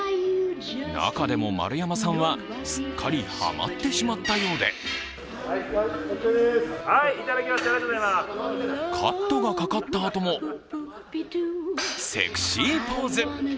中でも丸山さんはすっかりハマってしまったようでカットがかかったあともセクシーポーズ。